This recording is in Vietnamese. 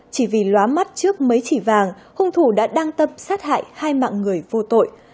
chỉ vì loá mắt trước mấy chỉ vàng hung thủ đã đăng tâm sát hại hai mạng người vô tội